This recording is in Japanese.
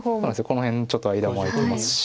この辺ちょっと間も空いてますし。